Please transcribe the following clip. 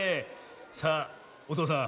さあおとうさん